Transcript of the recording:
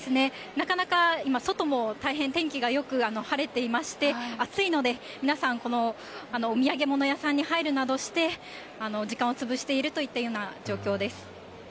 なかなか今、外も大変天気がよく、晴れていまして、暑いので、皆さん、このお土産物屋さんに入るなどして、時間を潰しているといったような状況です。